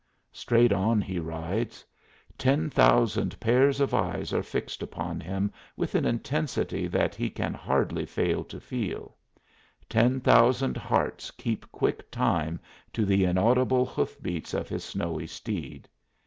Straight on he rides. Ten thousand pairs of eyes are fixed upon him with an intensity that he can hardly fail to feel; ten thousand hearts keep quick time to the inaudible hoof beats of his snowy steed.